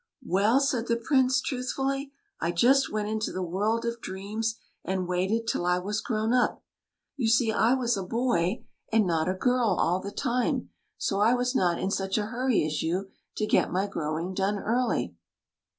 "Well," said the Prince, truthfully, "I just went into the world of dreams and waited till I was grown up. You see, I was a boy and not a girl, all the time ; so I was not in such a hurry as you to get my growing done early."